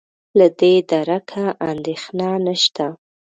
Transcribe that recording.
له دې درکه اندېښنه نشته.